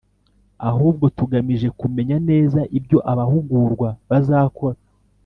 ahubwo tugamije kumenya neza ibyo abahugurwa bazakora